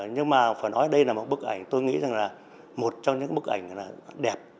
nhưng mà phải nói đây là một bức ảnh tôi nghĩ rằng là một trong những bức ảnh đẹp